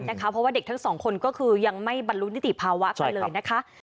เพราะว่าเด็กทั้งสองคนก็คือยังไม่บรรลุนิติภาวะกันเลยนะคะ